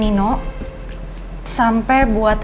hai aku masih marah marah teriak di kantor nino